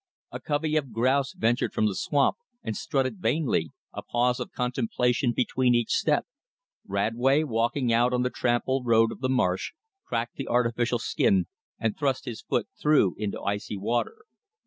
A covey of grouse ventured from the swamp and strutted vainly, a pause of contemplation between each step. Radway, walking out on the tramped road of the marsh, cracked the artificial skin and thrust his foot through into icy water.